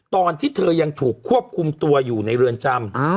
ตอนที่เธอยังถูกควบคุมตัวอยู่ในเรือนจำ